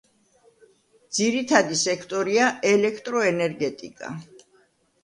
ძირითადი სექტორია ელექტროენერგეტიკა.